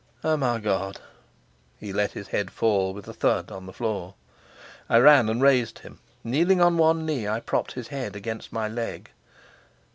Oh, my God!" He let his head fall with a thud on the floor. I ran and raised him. Kneeling on one knee, I propped his head against my leg.